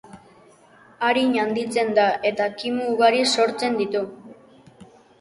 Arin handitzen da eta kimu ugari sortzen ditu.